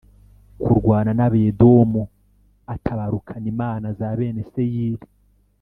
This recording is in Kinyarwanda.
Kurwana n abedomu atabarukana imana za bene seyiri